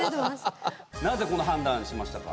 なぜこの判断しましたか？